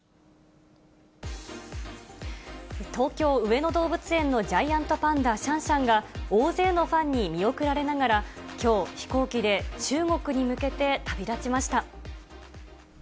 東京・上野動物園のジャイアントパンダ、シャンシャンが、大勢のファンに見送られながら、きょう、飛行機で中国に向けて旅立ちました。